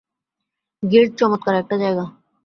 Guild চমৎকার একটা জায়গা।